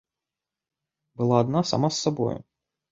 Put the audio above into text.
Была адна сама з сабою.